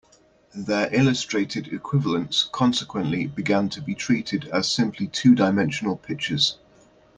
Their illustrated equivalents consequently began to be treated as simply two-dimensional pictures.